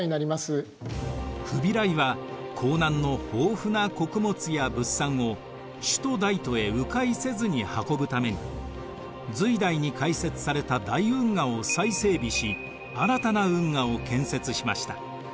フビライは江南の豊富な穀物や物産を首都・大都へう回せずに運ぶために隋代に開設された大運河を再整備し新たな運河を建設しました。